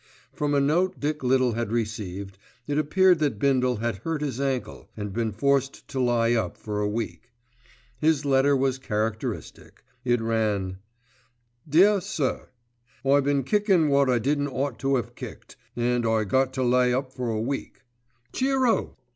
From a note Dick Little had received it appeared that Bindle had hurt his ankle and been forced to lie up for a week. His letter was characteristic. It ran:— "DEAR SIR, I been kicking what I didn't ought to have kicked, and I got to lay up for a week. Cheero!